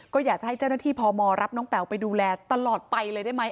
ก็อยากจะให้เจ้าหน้าที่พมรับน้องแป๋วไปดูแลตลอดไปเลยได้ไหม